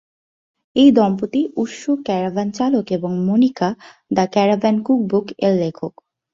এই দম্পতি উৎসুক ক্যারাভান চালক এবং মনিকা "দ্য ক্যারাভান কুকবুক" এর লেখক।